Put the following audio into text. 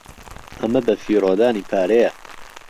ئەمە بەفیڕۆدانی پارەیە.